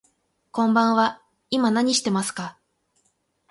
こんばんは、今何してますか。